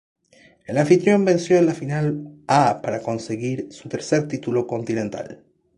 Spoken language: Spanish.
El anfitrión venció en la final a para conseguir su tercer título continental.